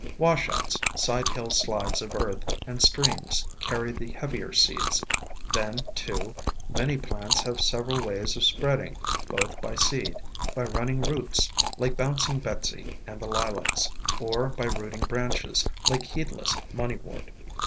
Wash outs, sidehill slides of earth, and streams carry the heavier seeds; then, too, many plants have several ways of spreading, both by seed, by running roots, like Bouncing Betsy and the Lilacs, or by rooting branches, like heedless Moneywort.